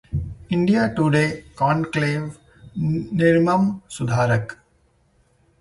India Today कॉन्क्लेव-निर्मम सुधारक